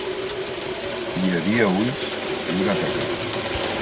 Hi havia ulls, i una taca.